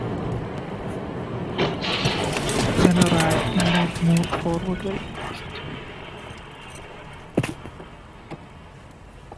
Then her acting life moved forward very fast.